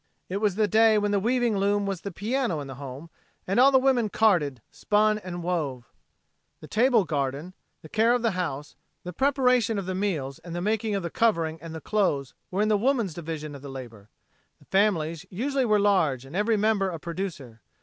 It was the day when the weaving loom was the piano in the home, and all the women carded, spun and wove. The table garden, the care of the house, the preparation of the meals and the making of the covering and the clothes were in the women's division of the labor. The families usually were large and every member a producer.